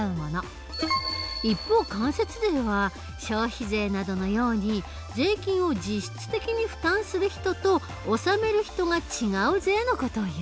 一方間接税は消費税などのように税金を実質的に負担する人と納める人が違う税の事をいう。